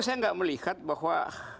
saya tidak melihat bahwa